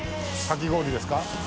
かき氷ですか？